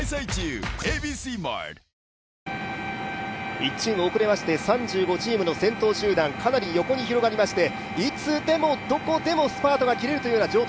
１チーム遅れまして３５チームの先頭集団、かなり横に広がりましていつでもどこでもスパートが切れるというような状態。